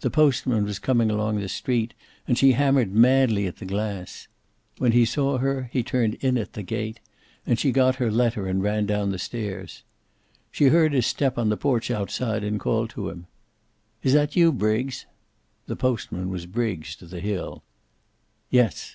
The postman was coming along the street, and she hammered madly at the glass. When he saw her he turned in at the gate, and she got her letter and ran down the stairs. She heard his step on the porch outside, and called to him. "Is that you, Briggs?" The postman was "Briggs" to the hill. "Yes."